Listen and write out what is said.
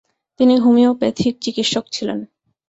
তিনি হোমিওপ্যাথিক চিকিৎসক ছিলেন।